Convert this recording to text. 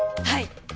はい！